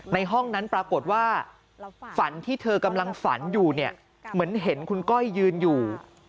ในห้องนั้นปรากฏว่าฝันที่เธอกำลังฝันอยู่เนี่ยเหมือนเห็นคุณก้อยยืนอยู่